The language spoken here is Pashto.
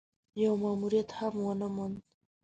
يو ماموريت هم ونه موند.